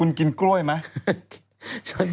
คุณกินกล้วยมั้ย